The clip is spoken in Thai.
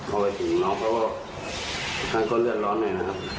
เอาไปถึงน้องเพราะว่าฉันก็เลือดร้อนหน่อยนะครับ